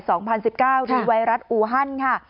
หรือไวรัสอูฮันค่ะ